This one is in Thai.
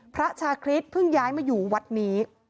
พระชาคริสเพิ่งย้ายมาอยู่วัดนี้